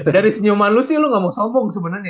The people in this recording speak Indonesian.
dari senyuman lo sih lo gak mau sombong sebenarnya ya